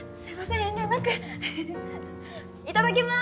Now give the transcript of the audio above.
遠慮なくいただきます